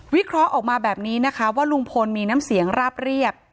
เคราะห์ออกมาแบบนี้นะคะว่าลุงพลมีน้ำเสียงราบเรียบ